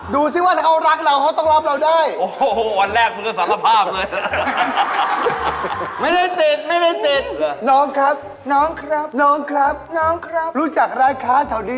ดูสิว่าถ้าเขารักเราเขาต้องรับเราได้